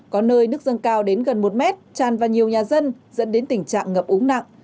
có nơi nước dâng cao đến gần một mét tràn vào nhiều nhà dân dẫn đến tình trạng ngập úng nặng